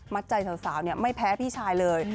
ใจสาวไม่แพ้พี่ชายเลย